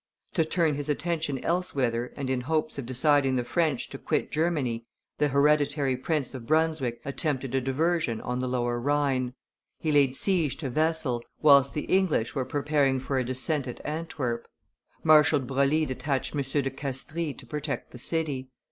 To turn his attention elsewhither and in hopes of deciding the French to quit Germany, the hereditary Prince of Brunswick attempted a diversion on the Lower Rhine; he laid siege to Wesel, whilst the English were preparing for a descent at Antwerp. Marshal Broglie detached M. de Castries to protect the city.